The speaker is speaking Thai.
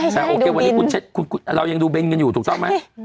ใช่ดูบินโอเควันนี้เรายังดูเบลต์กันอยู่ถูกต้อนไหม